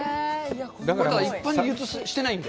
一般に流通してないので。